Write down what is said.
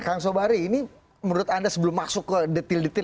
kang sobari ini menurut anda sebelum masuk ke detail detail